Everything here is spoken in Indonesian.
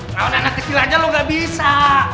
kalau anak kecil aja lo gak bisa